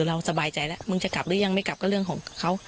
เราสบายใจแล้วมึงจะกลับหรือยังไม่กลับก็เรื่องของเขา